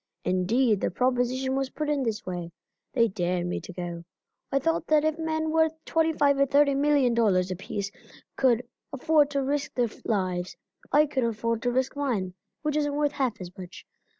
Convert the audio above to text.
Indeed the proposition was put in this way they dared me to go. I thought that if men worth twenty five or thirty million dollars apiece could afford to risk their lives, I could afford to risk mine, which isn't worth half as much.